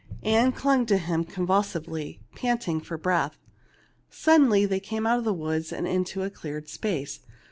Ann clung to him convulsively, panting for breath. Suddenly they came out of the woods into a cleared space.